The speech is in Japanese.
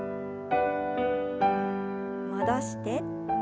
戻して。